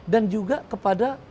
dan juga kepada